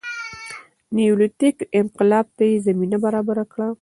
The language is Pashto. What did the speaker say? نیولیتیک انقلاب ته یې زمینه برابره کړه